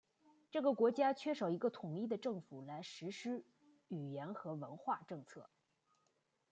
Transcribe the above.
这个国家缺少一个统一的政府来实施语言和文化政策。